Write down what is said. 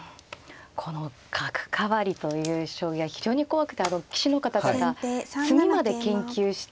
この角換わりという将棋は非常に怖くて棋士の方々詰みまで研究しているところもあると。